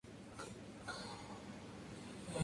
Para esferas duras, la ecuación tiene solución analítica.